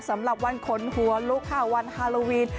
สำหรับวันขนหัวลุกค่ะวันฮาโลวีน